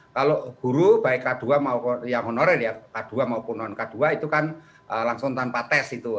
kalau guru baik k dua yang honorer ya k dua maupun non k dua itu kan langsung tanpa tes itu